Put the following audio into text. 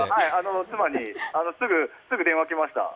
妻からすぐ電話きました。